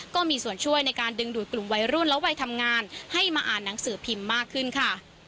ก็มีส่วนช่วยในการดึงดูดกลุ่มวัยรุ่นและวัยทำงานให้มาอ่านหนังสือพิมพ์มากขึ้นค่ะ